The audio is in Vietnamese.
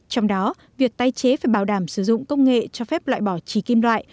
trong đó việc tái chế phải bảo đảm sử dụng công nghệ cho phép loại bỏ trì kim loại